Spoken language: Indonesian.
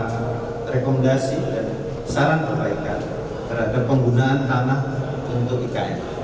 dan telah memberikan beberapa rekomendasi dan saran mereka terhadap penggunaan tanah untuk ikn